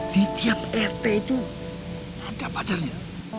di tiap rt itu ada pacarnya